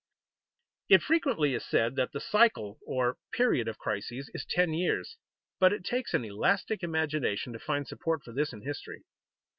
_ It frequently is said that the cycle, or period, of crises is ten years, but it takes an elastic imagination to find support for this in history.